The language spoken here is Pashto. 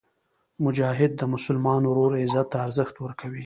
مجاهد د مسلمان ورور عزت ته ارزښت ورکوي.